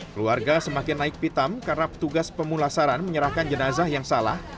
keluarga semakin naik pitam karena petugas pemulasaran menyerahkan jenazah yang salah